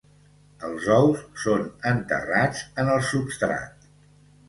Els ous són enterrats en el substrat.